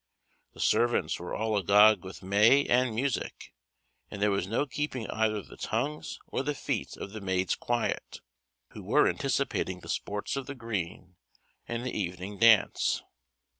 The servants were all agog with May and music; and there was no keeping either the tongues or the feet of the maids quiet, who were anticipating the sports of the green, and the evening dance.